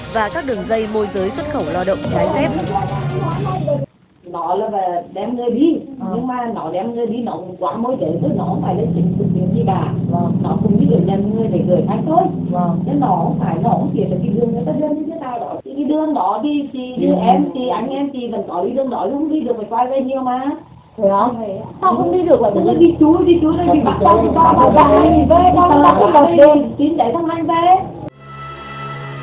và các đường dây môi giới xuất khẩu lao động trái phép